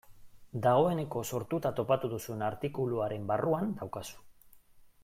Dagoeneko sortuta topatu duzun artikuluaren barruan daukazu.